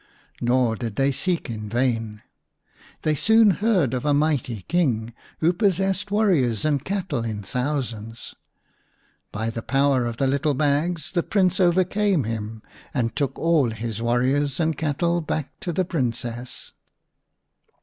Nor did they seek in vain. They soon heard of a mighty King who possessed warriors and cattle in thousands. By the power of the little bags the Prince overcame him and took all his warriors and cattle back to the Princess.